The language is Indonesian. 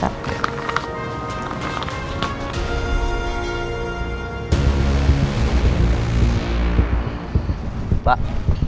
terima kasih ya pak